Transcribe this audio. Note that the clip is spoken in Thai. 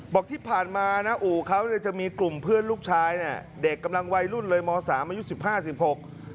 บอกที่ผ่านมานะอู่เขาเนี่ยจะมีกลุ่มเพื่อนลูกชายเนี่ยเด็กกำลังวัยรุ่นเลยมสามอายุสิบห้าสิบหก